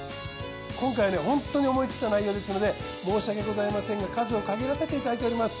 今回ねホントに思い切った内容ですので申し訳ございませんが数を限らせていただいております。